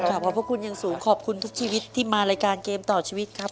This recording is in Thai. ขอบพระคุณอย่างสูงขอบคุณทุกชีวิตที่มารายการเกมต่อชีวิตครับ